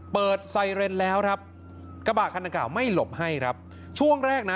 เปิดแล้วครับกระบะไม่หลบให้ครับช่วงแรกน่ะ